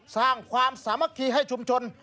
สร้างความสามัคคีให้ชุมชน